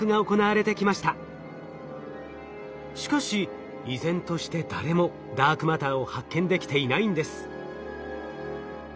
しかし依然として誰もダークマターを発見できていないんです。